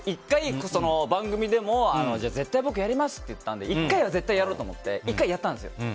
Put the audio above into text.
１回、番組でも、じゃあ絶対僕やりますって言ったので１回は絶対やろうと思って１回やったんですよ。